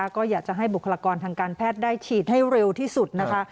ก็อยากจะให้บุคลากรทางการแพทย์ได้ฉีดให้เร็วที่สุดนะคะ